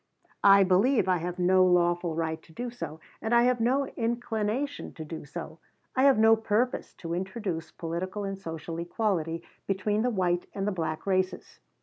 I believe I have no lawful right to do so, and I have no inclination to do so. I have no purpose to introduce political and social equality between the white and the black races.